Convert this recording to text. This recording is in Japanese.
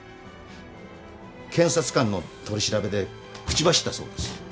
検察官の取り調べで口走ったそうです